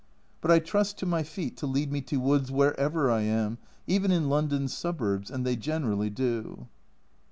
But I trust to my feet to lead me to woods wherever I am, even in London's suburbs, and they generally do.